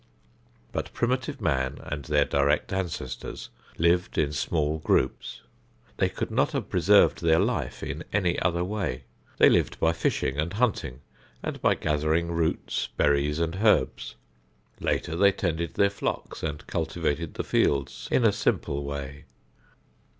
But primitive men and their direct ancestors lived in small groups. They could not have preserved their life in any other way. They lived by fishing and hunting and by gathering roots, berries and herbs. Later they tended their flocks and cultivated the fields in a simple way.